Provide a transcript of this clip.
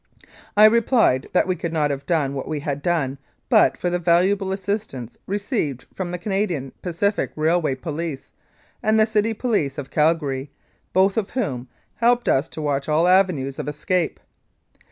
I replied that we could not have done what we had done but for the valuable assistance received from the Canadian Pacific Railway Police and the City Police of Calgary, both of whom helped us to watch all avenues of escape.